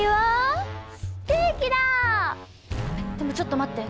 でもちょっと待って。